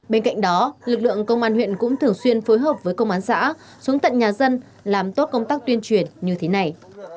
bên cạnh đó lực lượng công an huyện cũng thường xuyên phối hợp với công an xã xuống tận nhà dân làm tốt công tác tuyên truyền như thế này